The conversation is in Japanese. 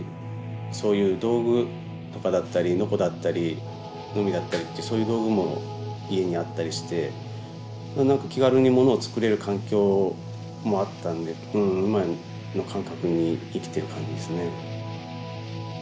そういう道具とかだったりノコだったりノミだったりってそういう道具も家にあったりして気軽にものを作れる環境もあったんで今の感覚に生きてる感じですね。